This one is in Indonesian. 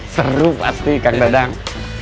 seru pasti kang dadang